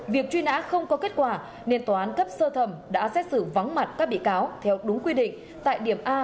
việc truy nã không có kết quả nên tòa án cấp sơ thẩm đã xét xử vắng mặt các bị cáo theo đúng quy định tại điểm a